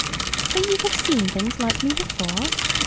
"So you have seen things like me before?"